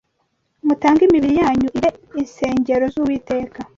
mutange imibiri yanyuibe insrngero z’uwiteka